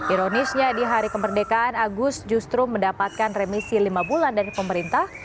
ironisnya di hari kemerdekaan agus justru mendapatkan remisi lima bulan dari pemerintah